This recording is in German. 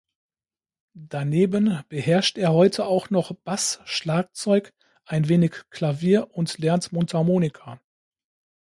Daneben beherrscht er heute auch noch Bass, Schlagzeug, ein wenig Klavier und lernt Mundharmonika.